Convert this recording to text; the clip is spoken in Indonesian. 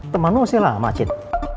temanmu usia lama cit